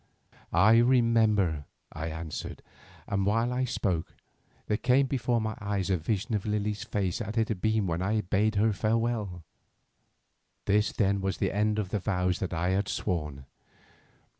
"I remember," I answered, and while I spoke, there came before my eyes a vision of Lily's face as it had been when I bade her farewell. This then was the end of the vows that I had sworn.